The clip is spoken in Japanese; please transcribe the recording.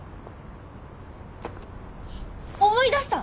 思い出した！